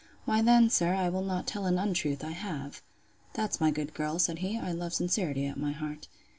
Why then, sir, I will not tell an untruth; I have.—That's my good girl! said he, I love sincerity at my heart.